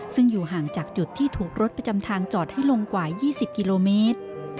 ซึ่งอยู่ห่างจากจุดที่ถูกรถประจำทางจอดให้ลงกว่า๒๐กิโลเมตร